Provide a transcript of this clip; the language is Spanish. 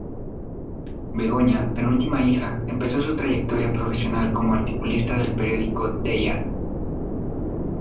Begoña, penúltima hija, empezó su trayectoria profesional como articulista del periódico "Deia".